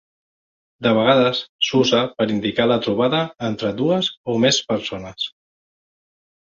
De vegades s'usa per indicar la trobada entre dues o més persones.